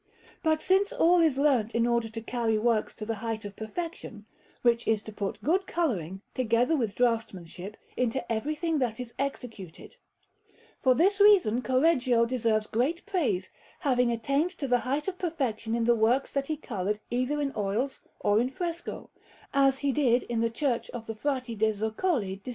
But since all is learnt in order to carry works to the height of perfection, which is to put good colouring, together with draughtsmanship, into everything that is executed, for this reason Correggio deserves great praise, having attained to the height of perfection in the works that he coloured either in oils or in fresco; as he did in the Church of the Frati de' Zoccoli di S.